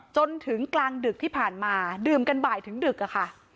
จนถึงกลางดึกที่ผ่านมาดื่มกันบ่ายถึงดึกอะค่ะ